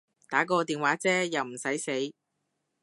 打個電話啫又唔駛死